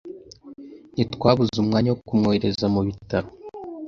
Ntitwabuze umwanya wo kumwohereza mu bitaro.